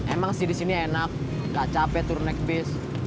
emang sih disini enak gak capek turun naik bis